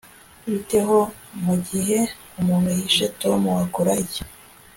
Bite ho mugihe umuntu yishe Tom Wakora iki